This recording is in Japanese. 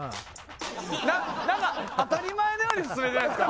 なんか当たり前のように進めてないですか？